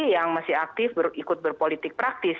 yang masih aktif ikut berpolitik praktis